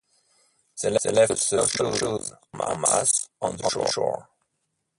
They left the snowshoes "en masse" on the shore.